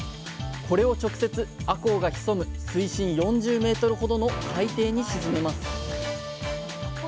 これを直接あこうが潜む水深４０メートルほどの海底に沈めます